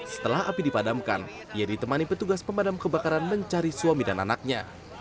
setelah api dipadamkan ia ditemani petugas pemadam kebakaran mencari suami dan anaknya